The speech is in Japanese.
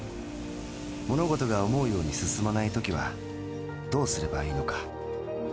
ものごとが思うように進まないときはどうすればいいのか。